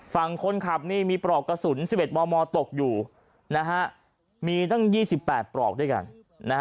ฝั่งคนขับนี่มีปลอกกระสุน๑๑มมตกอยู่นะฮะมีตั้ง๒๘ปลอกด้วยกันนะฮะ